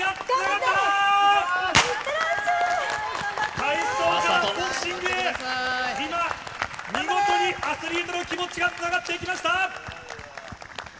体操からボクシングへ、今、見事にアスリートの気持ちがつながっていきました。